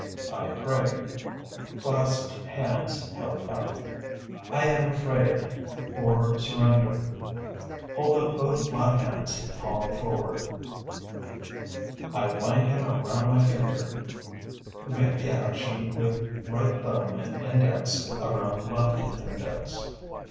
I pray (Clasped hands held up). I am afraid, or surrender (Hold up both flat hands, palm forward). I wind him around my finger (Make the action with right thumb and index around left index).